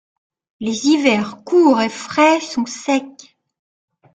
Les hivers, courts et frais, sont secs.